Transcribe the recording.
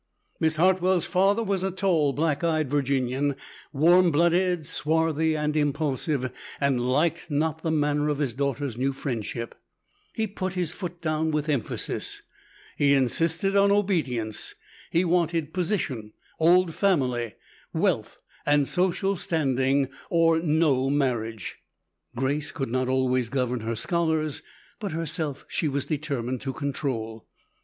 Miss Hartwell's father was a tall black eyed Virginian, warm blooded, swarthy, and impulsive, and liked not the manner of his daughter's new friendship. He put his foot down with emphasis. He insisted on obedience. He wanted position, old family, wealth and social standing, or no marriage. Grace could not always govern her scholars, but herself she was determined to control.